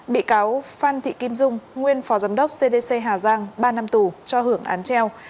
bị cáo phan thị kim dung nguyên phó giám đốc cdc hà giang ba năm tù cho hưởng án treo